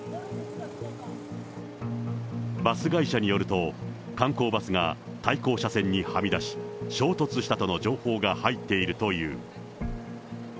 バス会社によると、観光バスが対向車線にはみ出し、衝突したとの情報が入っているという。